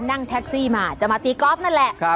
นั่งแท็กซี่มาจะมาตีกอล์ฟนั่นแหละ